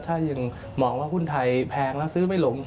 ถ้ายังมองว่าหุ้นไทยแพงแล้วซื้อไม่หลง